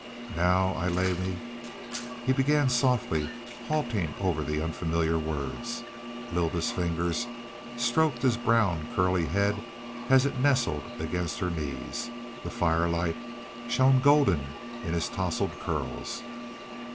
"Now I lay me " he began softly, halting over the unfamiliar words. Lylda's fingers stroked his brown curly head as it nestled against her knees; the firelight shone golden in his tousled curls.